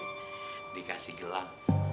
tuh rodi dikasih gelang